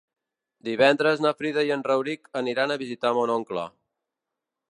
Divendres na Frida i en Rauric aniran a visitar mon oncle.